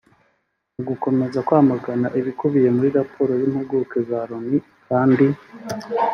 Mu gukomeza kwamagana ibikubiye muri raporo y’impuguke za Loni kandi